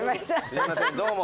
すいませんどうも。